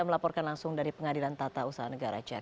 melaporkan langsung dari pengadilan tata usaha negara jakarta